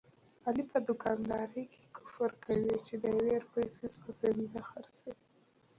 علي په دوکاندارۍ کې کفر کوي، د یوې روپۍ څیز په پینځه خرڅوي.